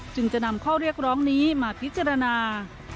จึงจะนำข้อเรียกร้องนี้มาพิจารณา